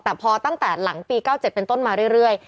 แต่พอตั้งแต่หลังปี๙๗เป็นต้นมาเรื่อย